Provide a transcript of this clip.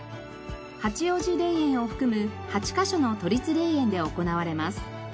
八王子霊園を含む８カ所の都立霊園で行われます。